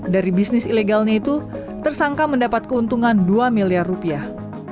dari bisnis ilegalnya itu tersangka mendapat keuntungan dua miliar rupiah